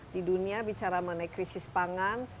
di dunia bicara mengenai krisis pangan